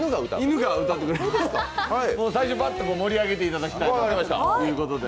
最初バッと盛り上げていただきたいということで。